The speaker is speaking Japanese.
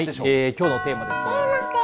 きょうのテーマですが。